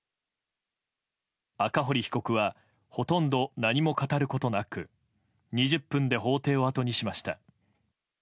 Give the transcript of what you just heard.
赤堀被告はほとんど何も語ることなく２０分で法廷を後にしました。